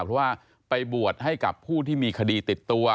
เพราะว่าไปบวชให้กับผู้ที่มีคดีติดตัว